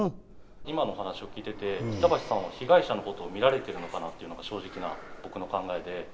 今の話を聞いてて、板橋さんは被害者の方を見られているのかなっていうのは、正直、僕の考えで。